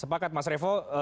semangat mas revo